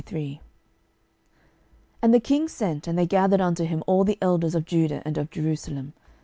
12:023:001 And the king sent, and they gathered unto him all the elders of Judah and of Jerusalem.